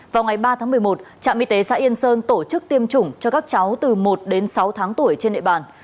vào ngày ba tháng một mươi một trạm y tế xã yên sơn tổ chức tiêm chủng cho các cháu từ một đến sáu tháng tuổi trên địa bàn